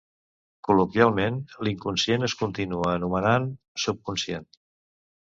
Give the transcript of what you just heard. col·loquialment l'inconscient es continua anomenant subconscient